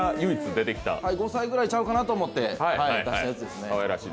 ５歳くらいちゃうかなと思って出したやつですね。